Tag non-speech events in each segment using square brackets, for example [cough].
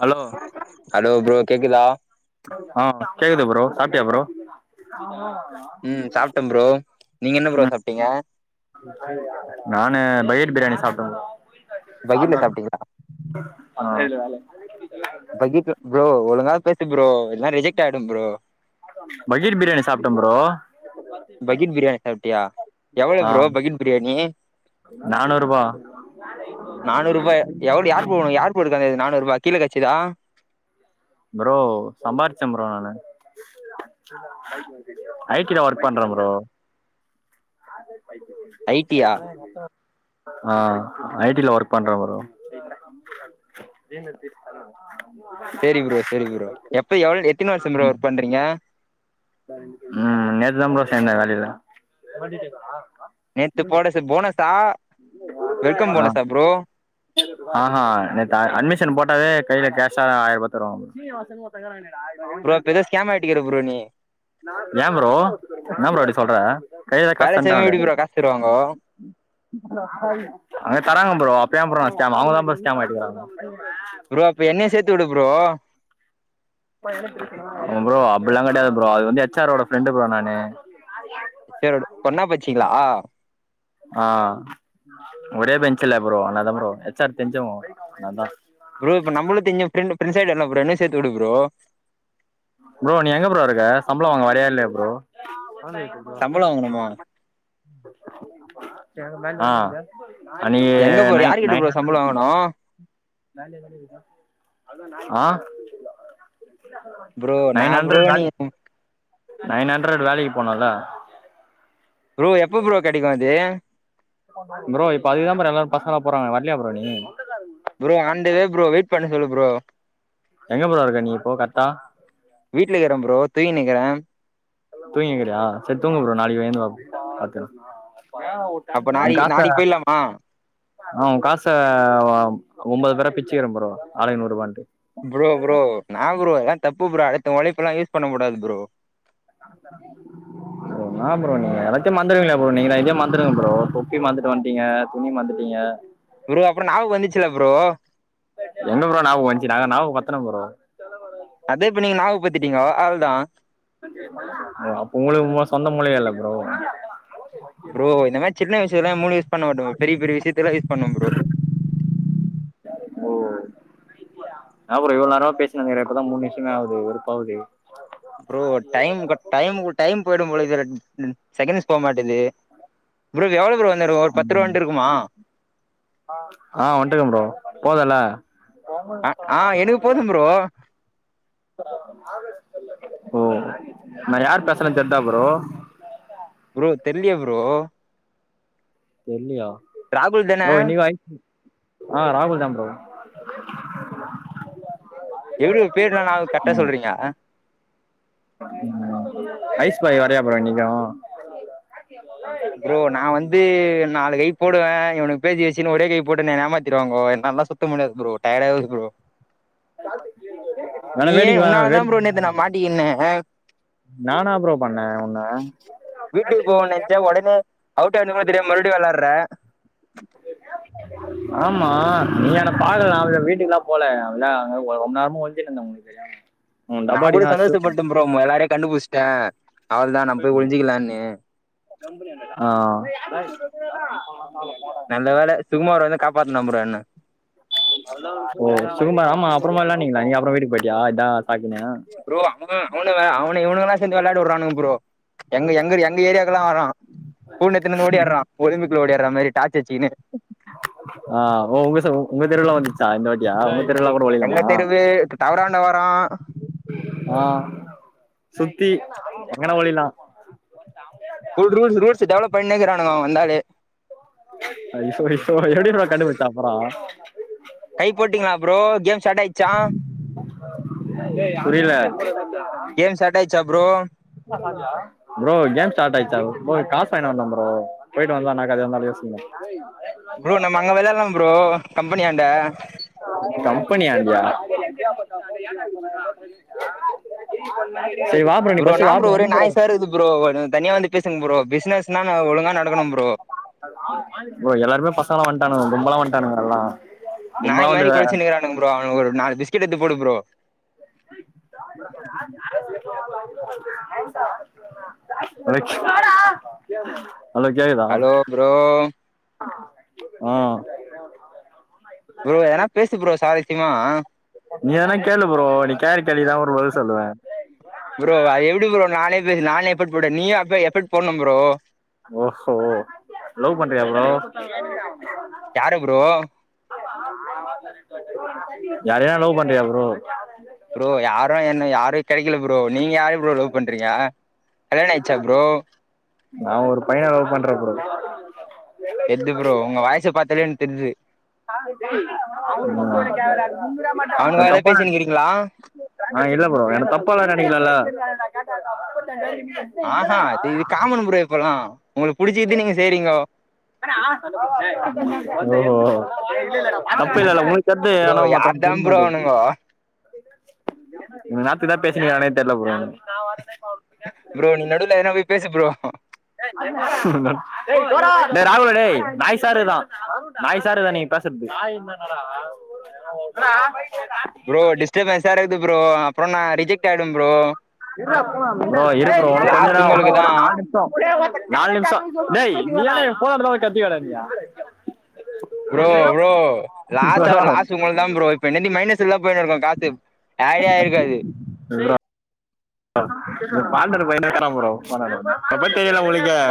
hello hello bro கேக்குதா ஆ கேக்குது ப்ரோ சாப்டியா ப்ரோ ம் சாப்டோ ப்ரோ நீங்க என்ன ப்ரோ ம் சாப்டீங்க நானு பக்கட் பிரியாணி சாப்ட்டேன் பக்கீட்ல சாப்ட்டீங்களா ப்ரோ ஆ வேல பக்கீட்டு ப்ரோ ஒழுங்கா பேசு ப்ரோ இல்லனா ரிஜெக்ட் ஆய்டும் ப்ரோ பக்கெட் பிரியாணி சாப்டேன் ப்ரோ பக்கெட் பிரியாணி சாப்ட்டியா எவ்ளவு ப்ரோ பக்கெட் பிரியாணி நானூருபா நானூருபா எவ்டி யார் போகணும் யார் போட்டுகாது நானூறு ரூபா கீழ கட்சிதா ப்ரோ சம்பாரிச்சேன் ப்ரோ நானு ஐ டீ ல ஒர்க் பண்றேன் bro I T yeah [unintelligible] ah I T ல ஒர்க் பண்றே ப்ரோ [unintelligible] சேரி ப்ரோ சேரி ப்ரோ எப்ப எவ்ள எத்தின வருசம் ப்ரோ ஒர்க் பண்றீங்க ம் நேத்தா ப்ரோ சேந்த வேலையில நேத்து போடசு போனஸா வெல்கம் போனஸா ப்ரோ ஆ ஹ நேத்து அட்மிஷன் போட்டாவே கையில கேஷ ஆயிரூபா தருவாங்க [unintelligible] ப்ரோ பெரிய ஸ்கேம் ஆட்யிக்கிற ப்ரோ நீ ஏன் ப்ரோ என்ன ப்ரோ இப்டி சொல்ற கைல தான் வேல காசு செய்யவே தண்டாங்களே எப்டி ப்ரோ காசு தருவாங்கோ அங்க தராங்க ப்ரோ அப்ப ஏன் ப்ரோ ஸ்கேம் அவங்க தான் ப்ரோ ஸ்கேம் ஆயிட்டுக்கறாங்க ப்ரோ அப்ப என்ன சேத்த விடு ப்ரோ ப்ரோ அப்டிலா கடையாது ப்ரோ அது வந்து எச் ஆர் ஓட ஃப்ரெண்டு ப்ரோ நானு செரி விடு ஒன்னா பச்சீங்களா ஹ ஒரே பெஞ்ச இல்ல ப்ரோ அதனாலதான் ப்ரோ ஏச் ஆர் தெரிஞ்சவங்க அதனால் தான் ப்ரோ இப்ப நம்மளும் தெரிச் பிரண்டு ஃபிரண்ட்ஸ் ஆயிட்டோல ப்ரோ என்னையும் சேத்து விடு ப்ரோ ப்ரோ நீ எங்க ப்ரோ இருக்க சம்பளம் வாங்க வரையா இல்லையா ப்ரோ சம்பளம் வாங்கணுமா ஆ அன்னைகி நை நயின் ஹண்ரடு போனு அ ப்ரோ நைன் நான் ப்ரோ ஹண்ரட் நீ வேலை நைன் ஹண்டரட் வேலைக்கு போனல ப்ரோ எப்போ ப்ரோ கடைக்கும் அது ப்ரோ இப்ப அதுக்குத்தா ப்ரோ எல்லாரு பசங்கல்லா போறாங்க வர்லயா ப்ரோ நீ bro on the way bro wait பண்ண சொல்லு ப்ரோ எங்க ப்ரோ இருக்க நீ கர்ட்டா வீட்லக்கீற ப்ரோ தூங்கினுக்குறே தூங்கினுக்கீறியா செரி தூங்கு ப்றோ நாளைக்கி எய்ந்து வா ப்ரோ பாத்துக்கலா அப்ப உ நாளை காஸ் தர நாளைக்கு போயிடலாமா நா உ காச ஒம்போது பேரா பிச்சுக்கிறோ ப்ரோ ஆளுக்கு நூறுபான்ட்டு ப்ரோ ப்ரோ இன்னா ப்ரோ இதல்லா தப்பு ப்ரோ அடுத்த ஒழைப்பெல்லா யூஸ் பண்ண கூடாது ப்ரோ ப்ரோ இன்னா ப்ரோ நீங்க எல்லாத்தையு மறந்திடுவீங்களா ப்ரோ நீங்கதா இதயே மறந்துடுங்க ப்ரோ தொப்பி மற்ந்துட்டு வன்ட்டீங்க துணி மறந்துட்டீங்க ப்ரோ அப்புறோ நாபகோ வந்துச்சுல ப்ரோ எங்க ப்ரோ ஞாபகோ வந்துச்சு நாங்க ஞாபகோ பத்தனோ ப்ரோ செல மரோ வெய்ங்க அதே இப்ப நீங்க ஞாபகோ பத்துட்டீங்கோ அவள்தா ஓ அப்ப உங்குளுக்கு மூ சொந்த மூளையே இல்ல ப்ரோ ப்ரோ இந்த மேரி சின்ன விஷ்யோலா மூளையே யூஸ் பண்ண மாட்டோ பெரிய பெரிய விஷ்யத்துக்குல்லா யூஸ் பண்ணுவோ ப்ரோ ப்ரோ இன்னா ப்ரோ இவ்ளோ நேரமா பேசினுக்குறே இப்பதா மூணு நிம்ஷமே ஆவ போது வெறுப்பாவுது ப்ரோ டைம் டைமு டைம் போயிடோ போல செகண்ட்ஸ் போக மாட்டேங்குது ப்ரோ இது எவளோ ப்ரோ வந்துருக்கோ ஒரு பத்துரவுண்டு இருக்குமா அ வன்ட்றுக்கோ ப்ரோ போதோல ஆமா ப்ரோ ஓ நா யார் பேசுறேன்னு தெர்தா ப்ரோ ப்ரோ தெர்லயே ப்ரோ தெர்லியா ராகுல் தான ப்ரோ இன்னிக்கோ ஐஸ் க்ரீம் ஆ ராஹுல்தா ப்ரோ எப்புடி ப்ரோ பேர்ல ஞாபகோ கர்ட்டா ம் சொல்றீங்க ம் ஐஸ் பாய் வரயா ப்ரோ இன்னிக்கோ ப்ரோ நா வந்து நாலு கை போடுவே இவுனுங்க பேசி வெச்சுன்னு ஒரே கை போட்டுனு என்ன ஏமாத்திடுவாங்கோ என்னால சுத் த முடியாது‌‌ ப்ரோ டயடா இருக்கு‌ ப்ரோ வேன்னா வேடிக்க வா வேடிக்க [inaudible] எப்டி என்ன நா ன்னா ஃப்ரோ பண்ணே உன்ன வீட்டுக்கு போவேனு நென்ச்ச ஒடனே அவுட் ஆனதுகூட தெரியாம மறுபடியு வெள்ளாட்ற என்ன ஆமா நீயென்ன பாக்கல அவள வீட்டுக்குலா போல அவள அங்க ரொம்ப நேரமு ஒள்ஞ்சினுந்த உங் உன்‌ன டப்பா அடிக்னோனா அஸ்ட்ருப்ப அப்பறோ உங்க எல்லாரயோ கண்டுபுச்ட்டே அவள்தா நம்ம போய் ஒள்ஞ்சிக்கலானு ஆ நல்ல வேல சுகுமார் வந்து காப்பாத்துனா ஃப்ரோ என்ன ஓ சுகுமார் ஆமா அப்புறமா வெளான்னீங்களா‌ நீங்க அப்புறோ வீட்டுக்கு போயிட்டியா இதா சாக்குனு ஃப்ரோ அவ அவனு அவன இவனுங்கலா சேந்து வெள்ளாட வுடுறானுங்க ப்ரோ எங்க எங்க எ ஏரியாக்குலா வறா பூன எத்துனு இந்து ஓடியாறா ஒலிம்பிக்ல ஒடியார்றா மாதிரி டார்ச் வெச்சிக்குன்னு ஆ ஓ உங்க உங்க தெருவுல வந்துச்சா இந்த வாட்டியா தெருவுல கூட எங்க ஒளியலாமா தெருவு டவறாண்ட வரா ஆ சுத்தி எங்கனா ஒடில்லா புல் ரூல்ஸ் ரூல்ஸு டெவலப் பண்ணேக்குறானுங்கொ வந்தாலே ஐயோ ஐயோ எப்டிடா கண்டுபுடிச்ச அப்பறொ கை போட்டீங்களா ப்ரோ கேம்ஸ் ஸ்டாட் ஆய்ச் புரிய்ல [unintelligible] கேம் ஸ்டார்ட் ஆயிடுச்சா ப்ரோ ஃப்ரோ கேம் ஸ்டார்ட் ஆய்ச்சா போ காஸ் வாய்ன்ட்டு‌ வந்த ப்ரோ போயிட்டு வந்தானாக்கா அதுலேந்து அப்டியே சீனு டேய் ப்ரோ நம்ம அங்க விளால்லா ப்ரோ கம்பெனியாண்ட கம்பெனியாண் டயா ப்ரோ என்னா ப்ரோ ஒரே நாய்ஸா இர்க்குது ப்ரோ கொஞ்சொ தனியா வந்து பேசுங் ப்ரோ பிஸ்னஸ்னா ஒழுங்கா நடக்கணும் ப்ரோ ப்ரோ எல்லாருமே பசங்கல்லா வன்ட்டானுங்க கும்பலா வன்ட்டானுங்க எல்லா நாய் கும்பலா மாறி கொலச்சின்னு இருக்றானுங் ப்ரோ அவனுங் ஒரு நாலு பிஸ்கெட் எடுத்து போடு ப்ரோ வந்து ஹலோ கேக்குதா ஹலோ ப்ரோ ம் ப்ரோ எதனா பேசு ப்ரோ சாவித்யமா நீ எதனா கேளு ப்ரோ நீ கேக்ற கேள்வி எதா ஒரு பதில் சொல்லுவ ப்ரோ அது எப்டி ப்ரோ நானே பேசு நானே எபெக்ட் போட்ட நீயு அப்ப எபெக்ட் போட்ணு ப்ரோ ஓஹோ லவ் பண்றியா ப்ரோ யார ப்ரோ யாரையா லவ் பண்றியா ப்ரோ ப்ரோ யாரு என்ன யாரு கெட்க்கில ப்ரோ நீங்க யார ப்ரோ லவ் பண்றீங்க கல்யாணொ ஆய்ச்சா ப்ரோ நா ஒரு பையன லவ் பண்ற ப்ரோ தெர்து ப்ரோ உங்க வாய்ஸ பாத்தாலே எனக் தெர்து ம் அவனுக்காகதா தப்பா நென பேசினுக்கிறீங்களா ஆ இல்ல ப்ரோ என்ன தப்பால்ல நெனக்கெலல்ல ஆஹ்ஹா அது இது காமன் ப்ரோ இப்பல்லா உங்களுக்கு புடிச்சிர்க்குது நீங்க செய்றீங்கோ ஓ ஓ தப்பு இல்லல்ல உன்க்கு தெரிது ப்ரோ ஆனா மத்தவங்களுக்கு யார்தா தெரிய ப்ரோ மாட்டுது அவனுங்கோ இன்னேர்த்துக்கு எதா பேசுனீங்களானே தெர்ல ப்ரோ நா வரலபா ப்ரோ நீ நடுவ்ல எதுனா போய் பேசு ப்ரோ டேய் ராகுல் டேய் நாய்ஸா இருக்குதா நாய்ஸா இருக்குதா நீ பேஸ் ப்ரோ டிஸ்டபனெஸா இருக்குது ப்ரோ அப்றோ நா ரிஜெக்ட் ஆய்டும் ப்ரோ ப்ரோ இரு ப்ரோ இன்னு கொஞ்சந்தா லாஸ் இன்னு உங்களுக்கு ஒரு தா நால் நிம் நால் நிம்ஷொ டேய் [unintelligible] ப்ரோ ப்ரோ லாஸ்டா ப்ரோ லாஸ் உங்களுக்தா ப்ரோ இப்ப இன்ன நீ மைனஸ்லதா போய்னு இருக்கு காசு ஆடே ஆயிருக்காது ப்ரொ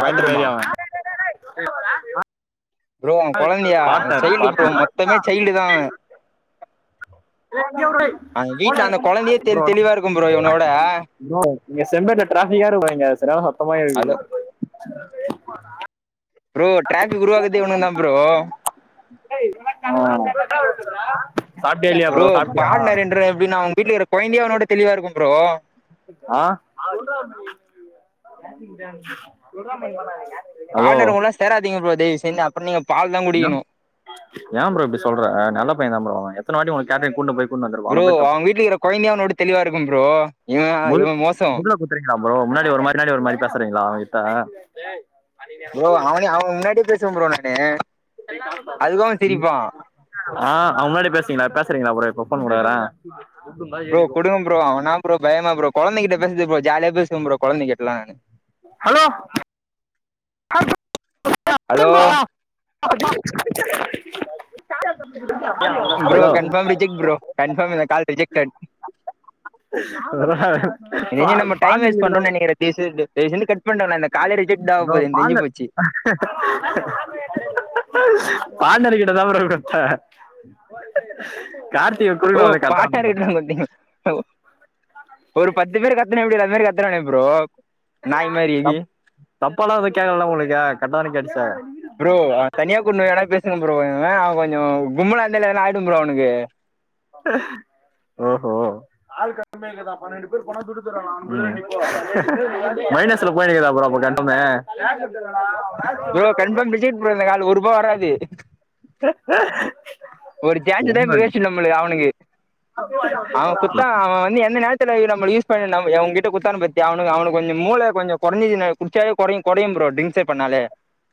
பாத்ரூமா ப்ரோ அவ கொழந்தயா அவ பார்ட்னர் சைல்டு ப்ரோ பார்ட்னர் மொத்தமே சைல்டு தா அந் வீட்ல அந்த கொழந்தயே ப்ரோ தெள் தெளிவா இருக்கும் ப்ரோ இவனோட ப்ரோ இங்க செம்பேட்ல டிராபிக்கா இருக்கு இங்க சரியான சத்தமா இருக்கு ஹலோ ப்ரோ டிராபிக் உருவாக்குறதே இவனுங்க தா ப்ரோ ஆ சாப்பிட்டியா இல்லையா ப்ரோ சாப்பிட்டியா பாட்னருன்ற எப்டின்னா அவுங் வீட்லகிற கொய்ந்தயே அவனோட தெளிவா இருக்கு ப்ரோ ஆ ஹலோ பாட்னர் கூடல்லா சேராதீங்க ப்ரோ தயவுசெந் அப்புறோ நீங்க பால் தா நா குடிக்கணு ஏ ப்ரோ இப்டி சொல்ற நல்ல பைய தா ப்ரோ அவ எத்தன வாட்டி உனக் கேட்டரிங் கூட்னு போய் கூட்டு வந்திருப்பான் அவனை ப்ரோ போய் தப்பு அவுங் வீட்லக்கிற கொயந்தையே அவனோட தெளிவா இருக்கும் ப்ரோ இவ முது இவ மோசோ முதுல குடுத்துறீங்களா ப்ரோ முன்னாடி ஒரு மாரி பின்னாடி ஒரு மாரி பேசறீங்களா அவங்கிட்ட ப்ரோ அவனே அவ முன்னாடியே பேசுவ ப்ரோ நான்னு ஆ அவ முன்னாடி பேசீங்களா பேசறீங்களா ப்ரோ இப்ப போன் குடுக்குற ப்ரோ கொடுங்க ப்ரோ அவனா ப்ரோ பயமா ப்ரோ கொழந்தகிட்ட பேசது ப்ரோ ஜாலிய பேசுவ ப்ரோ கொழந்திகிட்டலா நானு hello hello [inaudible] [inaudible] bro confirm reject bro confirm இந்த கால் ரிஜெக்டட் [unintelligible] தைவு செய்து தைவு செய்து கட் பண்ண நானு இந்த காலே ரிஜெட் ஆக போது எனக் தெரிஞ்சு போச்சு பார்ட்னர் கிட்ட தா ப்ரோ குத்தன் கார்த்தி ஓ குட்னு அது கப்பறோன் [unintelligible] ஒரு பத்து பேர் கத்துன எப்டி அது மாரி கத்துனாங்க ப்ரோ நாய் மாதிரி தப் தப்பாலா எது கேக்கலல உங்களுக்கு கரெக்டா தான கேட்டுச்சு ப்ரோ அவ தனியா கூட்னு போய் வேனா பேசுங்க ப்ரோ அவ கொஞ்சோ கும்பளா இருந்தாலே எதனா ஆயிடு ப்ரோ அவனுக்கு ஓஹோ மைனஸ்ல போயினுகிதா ப்ரோ அப்ப கன் அம்மே கன்பாம் ரிஜெக்ட் ப்ரோ இந்த கால் ஒருபா வராது ஒரு சான்ஸ் தா இப்ப என்ன வேஸ்ட்டு நம்மளு அவனுக்கு அவ குத்தா அவ வந்து எந்த நேரத் துல நம்மல யூஸ் பண்ணிட் நம் எவ உங்கிட்ட குத்தானு பாத்தியா அவனு கொஞ்ச மூள கொஞ்சோ கொறஞ்சுச்சுனா குட்ச்சாவே கொறையு கொடையு ப்ரோ டிங்சே பண்ணலே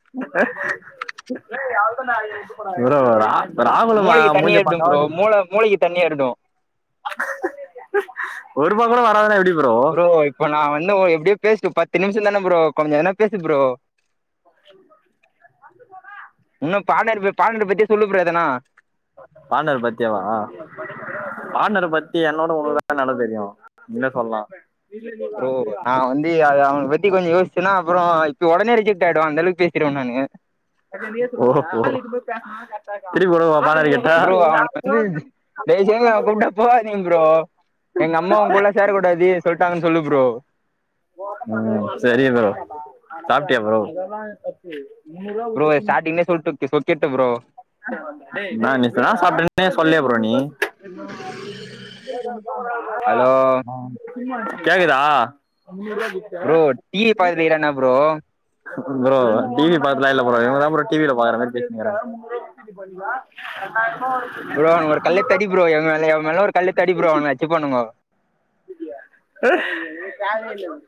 ப்ரோ ஒரு ஆ மூளைக்கு தண்ணி அட்ச ப்ரோ மூள மூளைக்கு தண்ணி ஏறிடு ஒருவா கூட வராதுன இப்டி ப்ரோ இப்ப நா வந்து எப்படியோ பேஸ்ட்டு பத்து நிமிஷந்தானே ப்ரோ கொஞ்ச எதனா பேசு ப்ரோ [inaudible] இன்னு பாட்னர்வ்வு பால்நண்டு பத்தி சொல்லு ப்ரோ எதனா பாண்டவர் பத்தியேவா பாண்னர பத்தி என்னோட உங்க [inaudible] நல்லா தெரியு ன்ன சொல்லா ப்ரோ நா வந்து டே அவ அவனபத்தி கொஞ்ச யோஸ்ச்சன்னா அப்புறோ இப்ப உடனே ரிஜெட் ஆயிடுவா அந்தளவுக் பேசிருவ நானு ஓகோ ஓகோ திருப்பி போடவா [unintelligible] ப்ரோ அவனுக் வந்து தயவு செங்சு அவ கூப்ட்டா போகாதீங்க ப்ரோ எங்க அம்மா உங்கூட சேரக் கூடாது சொல்லிட்டாங்கன் சொல்லு ப்ரோ ம் சரி ப்ரோ சாப்ட்டியா ப்ரோ ப்ரோ ஸ்டாடிங்க்கே சொல்டுட்டு சொடுட்டு ப்ரோ டேய் நாங்க என்ன சாப்ட்டேனு சொல்லே ப்ரோ நீ ஹலோ ஆ கேக்குதா ப்ரோ டீவி பாக்குரியா என்ன ப்ரோ ப்ரோ டிவி பாக்கலா இல்ல ப்ரோ இவங்க தா ப்ரோ டிவில பாக்குற மாரி பேசுனிக்கிறா [unintelligible] ப்ரோ ஒரு கல்ல எடுத்து அடி ப்ரோ மேல எவ மேல ஒரு கல்லு எடுத்து அடி ப்ரோ அவங்க அச்சு பாணுங்க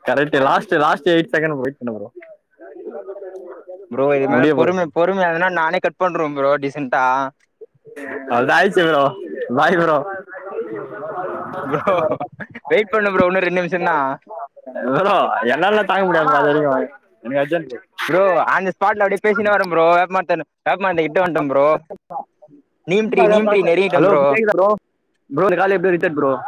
correct last last eight second bro wait பண்ணு ப்ரோ [inaudible] ப்ரோ இது மேல முடிய போது பொறும பொறும அதனா நானே கட் பண்றுவ ப்ரோ டீசென்டா அவல்தா ஆய்ச்சு bro bye bro [inaudible] bro wait பண்ணு ப்ரோ இன்னு ரெண்டு நிமிஷதா ப்ரோ என்னாலலா தாங்க முடியாது அது வரைக்கு எனக்கு அர்ஜன்ட்டு ப்ரோ அந்த ஸ்பாட்ல அப்டியே பேசினே வர ப்ரோ வேப்பமரத்தாண்ட வேப்பமரத்து கிட்ட வந்ட்ட ப்ரோ நீம்டீரி நீம்டீரி நெறுங்கிட்டே ப்ரோ நூரு கால் எப்டியோ ரிஜெட் ப்ரோ